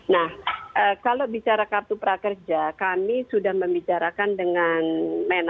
nah kalau bicara kartu prakerja kami sudah membicarakan dengan menahan